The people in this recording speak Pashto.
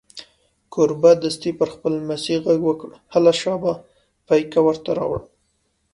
کوربه دستي پر خپل لمسي غږ وکړ: هله شابه پیکه ور ته راوړه.